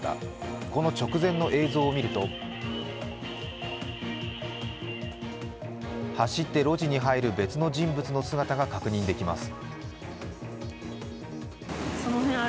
この直前の映像を見ると走って路地に入る別の人物の姿が確認できます。